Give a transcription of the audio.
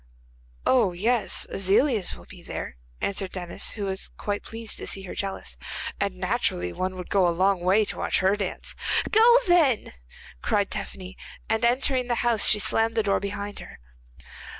'Oh yes, Aziliez will be there,' answered Denis, who was quite pleased to see her jealous, 'and naturally one would go a long way to watch her dance.' 'Go then!' cried Tephany, and entering the house she slammed the door behind her.